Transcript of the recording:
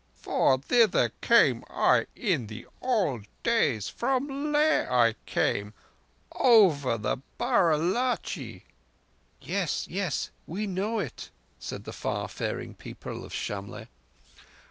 "For thither came I in the old, old days. From Leh I came, over the Baralachi." "Yes, yes; we know it," said the far faring people of Shamlegh.